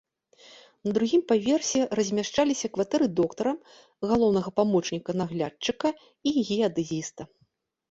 На другім паверсе размяшчаліся кватэры доктара, галоўнага памочніка наглядчыка і геадэзіста.